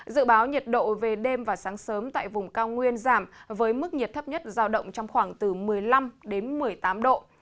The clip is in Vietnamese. dự báo nhiệt độ về đêm và sáng sớm tại vùng cao nguyên giảm với mức nhiệt thấp nhất giao động trong khoảng từ một mươi năm đến một mươi tám độ